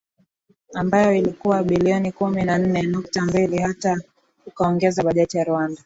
ambayo ilikuwa bilioni kumi na nne nukta mbili hata ukaongeza bajeti ya Rwanda